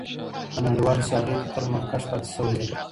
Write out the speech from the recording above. په نړیوالو سیالیو کې تل مخکښ پاتې شوی دی.